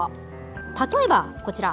例えば、こちら。